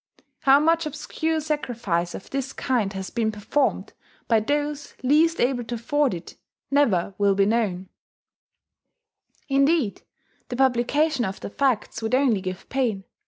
How much obscure sacrifice of this kind has been performed by those least able to afford it never will be known: indeed, the publication of the facts would only give pain.